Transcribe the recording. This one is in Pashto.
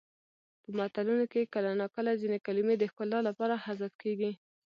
په متلونو کې کله ناکله ځینې کلمې د ښکلا لپاره حذف کیږي